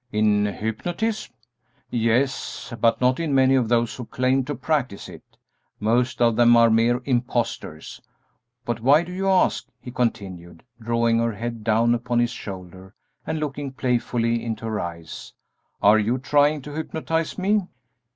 "In hypnotism? Yes; but not in many of those who claim to practise it. Most of them are mere impostors. But why do you ask?" he continued, drawing her head down upon his shoulder and looking playfully into her eyes; "are you trying to hypnotize me?"